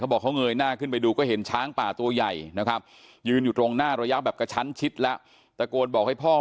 เขาบอกเขาเงยหน้าขึ้นไปดูก็เห็นช้างป่าตัวใหญ่นะครับ